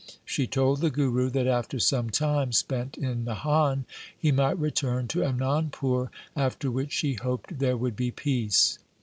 She told the Guru that after some time spent in Nahan he might return to Anandpur, after which she hoped there would be peace.